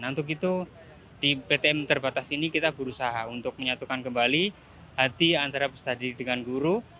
nah untuk itu di ptm terbatas ini kita berusaha untuk menyatukan kembali hati antara peserta didik dengan guru